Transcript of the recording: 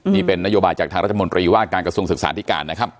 นี่เป็นนโยบายจากทางรัฐมนตรีว่าการกระทรวงศึกษาธิการนะครับ